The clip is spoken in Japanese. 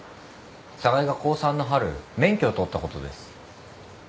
寒河江が高３の春免許を取ったことです。